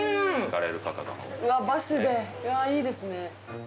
いいですね。